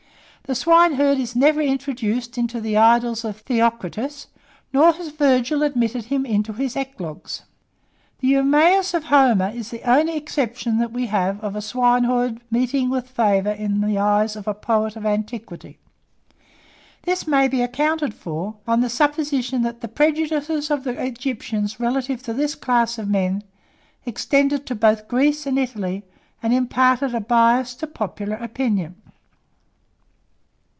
The swineherd is never introduced into the idyls of Theocritus, nor has Virgil admitted him into his eclogues. The Eumaeus of Homer is the only exception that we have of a swineherd meeting with favour in the eyes of a poet of antiquity. This may be accounted for, on the supposition that the prejudices of the Egyptians relative to this class of men, extended to both Greece and Italy, and imparted a bias to popular opinion.